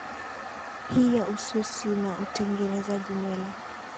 hii ya ususi na utengenezaji nywele